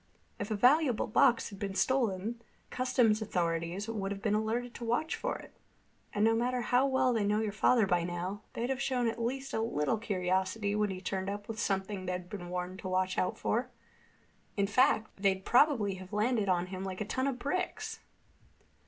If a valuable box had been stolen, the customs authorities would have been alerted to watch for it. And no matter how well they know your father by now, they'd have shown at least a little curiosity when he turned up with something they'd been warned to watch out for. In fact, they'd probably have landed on him like a ton of bricks."